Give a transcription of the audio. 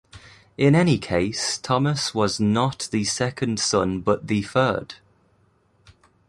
In any case Thomas was not the second son but the third.